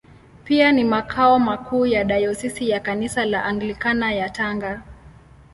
Pia ni makao makuu ya Dayosisi ya Kanisa la Anglikana ya Tanga.